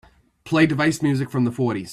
Play Device music from the fourties.